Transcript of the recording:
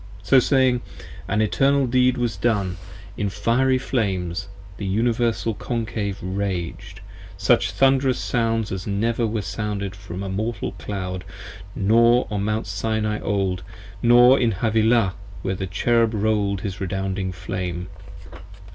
So saying, an eternal deed was done: in fiery flames 20 The Universal Concave raged, such thunderous sounds as never Were sounded from a mortal cloud, nor on Mount Sinai old, Nor in Havilah where the Cherub roll'd his redounding flame.